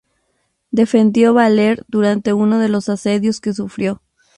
Defendió Baler durante uno de los asedios que sufrió.